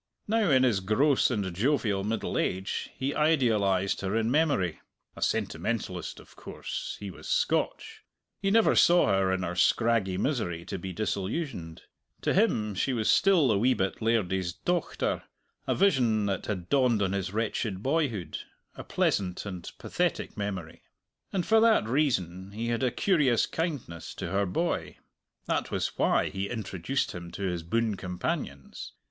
Now in his gross and jovial middle age he idealized her in memory (a sentimentalist, of course he was Scotch); he never saw her in her scraggy misery to be disillusioned; to him she was still the wee bit lairdie's dochter, a vision that had dawned on his wretched boyhood, a pleasant and pathetic memory. And for that reason he had a curious kindness to her boy. That was why he introduced him to his boon companions.